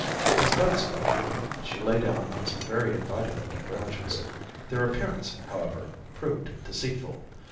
As Beth spoke, she lay back on some inviting looking branches. Their appearance, however, proved deceitful.